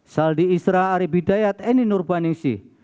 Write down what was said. saldi isra ari bidayat eni nurpaningsih